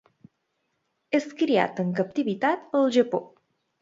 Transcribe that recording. És criat en captivitat al Japó.